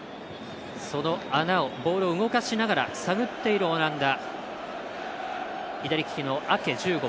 その穴をボールを動かしながら探っているオランダ。